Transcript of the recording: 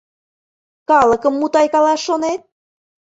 Калыкым мутайкалаш шонет?